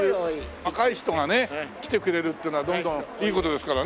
若い人がね来てくれるっていうのはいい事ですからね。